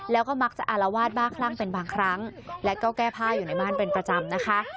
แล้วก็มักจะอารวาสบ้าคลั่งเป็นบางครั้งและก็แก้ผ้าอยู่ในบ้านเป็นประจำนะคะ